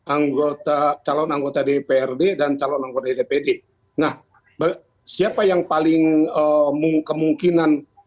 anggota calon anggota dprd dan calon anggota dpd nah siapa yang paling mu kemungkinan